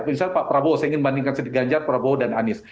misal pak prabowo saya ingin bandingkan sedikit ganjar prabowo dan anies